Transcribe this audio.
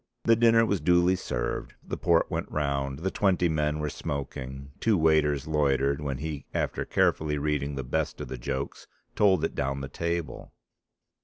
The dinner was duly served, the port went round, the twenty men were smoking, two waiters loitered, when he after carefully reading the best of the jokes told it down the table.